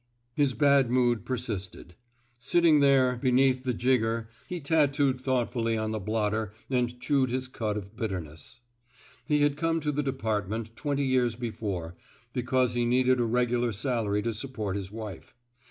His bad mood persisted. Sitting there, 178 TRAINING ^^ SALLY ^' WATEES beneath the jigger, he tattooed thought */ fully on the blotter and chewed his cud of bitterness. He had come to the department, twenty years before, because he needed a regular salary to support his wife.